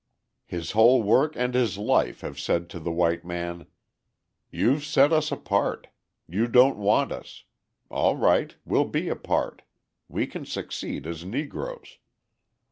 His whole work and his life have said to the white man: "You've set us apart. You don't want us. All right; we'll be apart. We can succeed as Negroes."